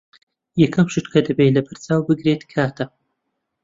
یەکەم شت کە دەبێت لەبەرچاو بگیرێت کاتە.